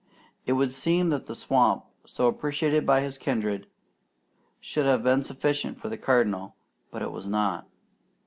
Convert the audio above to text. It would seem that the swamp, so appreciated by his kindred, should have been sufficient for the Cardinal, but it was not.